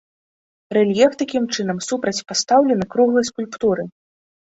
Рэльеф такім чынам супрацьпастаўлены круглай скульптуры.